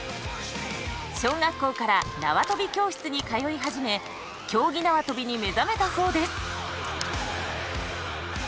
小学校から縄跳び教室に通い始め競技縄跳びに目覚めたそうです。